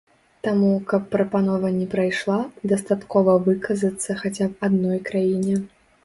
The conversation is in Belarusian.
Таму, каб прапанова не прайшла, дастаткова выказацца хаця б адной краіне.